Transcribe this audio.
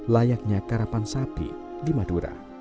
layaknya karapan sapi di madura